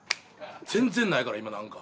全然ないから今なんか。